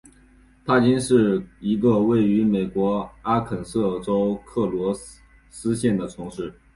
帕金是一个位于美国阿肯色州克罗斯县的城市。